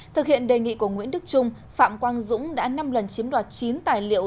thực hiện đề nghị của nguyễn đức trung phạm quang dũng đã năm lần chiếm đoạt chín tài liệu